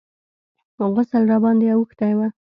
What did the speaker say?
غسل راباندې اوښتى و.